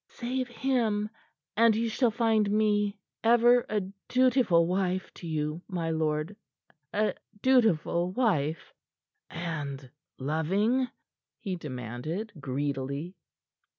"Save him, and you shall find me ever a dutiful wife to you, my lord a dutiful wife." "And loving?" he demanded greedily.